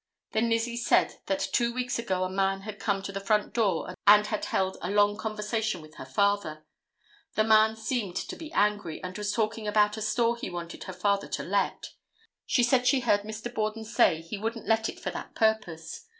Then Lizzie said that two weeks ago a man had come to the front door and had held a long conversation with her father. The man seemed to be angry, and was talking about a store he wanted her father to let. She said she heard Mr. Borden say he wouldn't let it for that purpose.